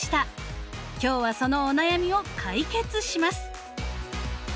今日はそのお悩みを解決します。